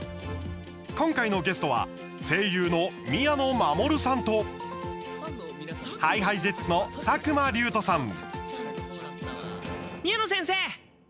今回のゲストは声優の宮野真守さんとＨｉＨｉＪｅｔｓの作間龍斗さん。